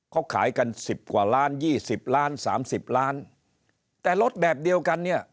เขาขายกัน๑๐กว่าล้าน๒๐ล้าน๓๐ล้านแต่รถแบบเดียวกัน